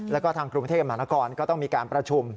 แล้วก็ทางกรุงเทพมหานครก็ต้องมีการประชุม